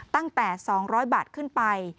ตั้งแต่๒๐๐บาทขึ้นไป